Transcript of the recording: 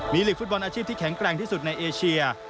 มีหลีกฟุตบอลอาชีพที่แข็งแกร่งที่สุดในเอเชีย